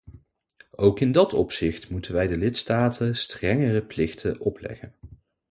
Ook in dat opzicht moeten wij de lidstaten strengere plichten opleggen.